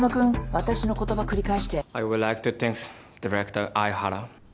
私の言葉繰り返して。